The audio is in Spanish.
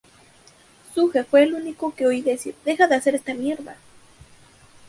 Suge fue 'el único que oí decir: "Deja de hacer esta mierda!